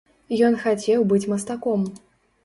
Ён хацеў быць мастком.